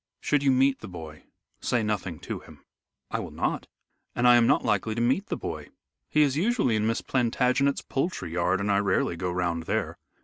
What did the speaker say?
"Should you meet the boy say nothing to him." "I will not, and I am not likely to meet the boy. He is usually in Miss Plantagenet's poultry yard, and I rarely go round there."